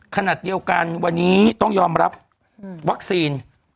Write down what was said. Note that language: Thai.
ขณะเดียวกันวันนี้ต้องยอมรับวัคซีน